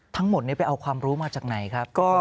ทั้งหมดนี้ไปเอาความรู้มาจากไหนครับ